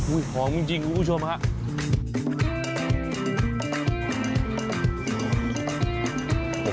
หอมจริงคุณผู้ชมครับ